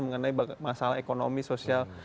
mengenai masalah ekonomi sosial